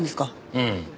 うん。